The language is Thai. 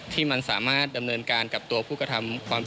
ที่มันสามารถดำเนินการกับตัวผู้กระทำความผิด